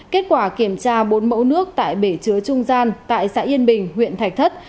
kết quả kiểm tra bốn mẫu nước tại bể chứa trung gian tại xã yên bình huyện thạch thất